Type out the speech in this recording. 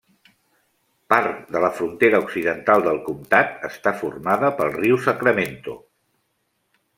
Part de la frontera occidental del comtat està formada pel riu Sacramento.